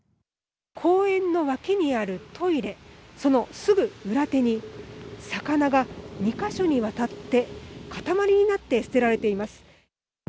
公園の脇にあるトイレ、そのすぐ裏手に魚が２か所にわたって固まりになって捨てられています。